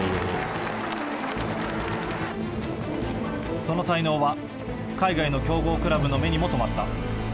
その才能は、海外の強豪クラブの目にもとまった。